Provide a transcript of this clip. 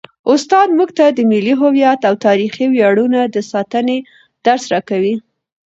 استاد موږ ته د ملي هویت او تاریخي ویاړونو د ساتنې درس راکوي.